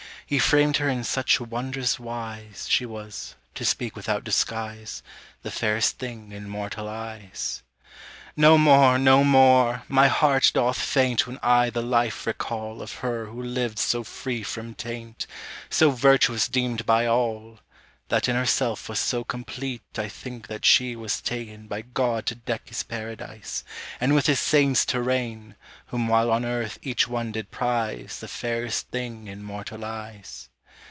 He framed her in such wondrous wise, She was, to speak without disguise, The fairest thing in mortal eyes. No more, no more! my heart doth faint When I the life recall Of her who lived so free from taint, So virtuous deemed by all, That in herself was so complete I think that she was ta'en By God to deck his paradise, And with his saints to reign, Whom while on earth each one did prize The fairest thing in mortal eyes.